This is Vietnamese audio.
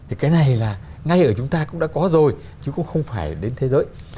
thì cái này là ngay ở chúng ta cũng đã có rồi chứ cũng không phải đến thế giới